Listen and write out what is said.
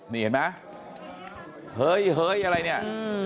นี่เห็นไหมเฮ้ยอะไรเนี่ย